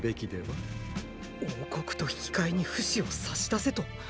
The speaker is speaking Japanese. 王国と引き換えにフシを差し出せと？